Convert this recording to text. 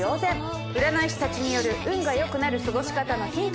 占い師たちによる運が良くなる過ごし方のヒントも！